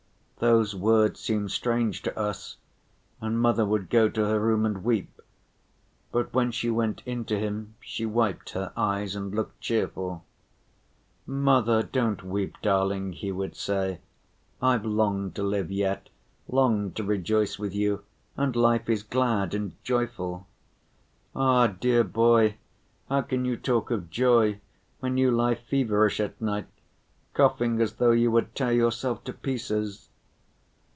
Those words seemed strange to us, and mother would go to her room and weep, but when she went in to him she wiped her eyes and looked cheerful. "Mother, don't weep, darling," he would say, "I've long to live yet, long to rejoice with you, and life is glad and joyful." "Ah, dear boy, how can you talk of joy when you lie feverish at night, coughing as though you would tear yourself to pieces."